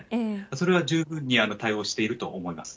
それは十分に対応していると思います。